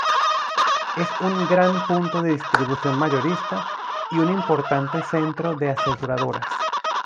Es un gran punto de distribución mayorista y un importante centro de aseguradoras.